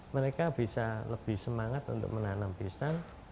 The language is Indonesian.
mereka bisa lebih semangat untuk menanam pisang